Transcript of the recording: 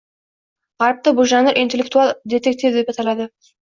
Gʻarbda bu janr “intellektual detektiv” deb ataladi.